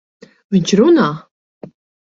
Viņš runā!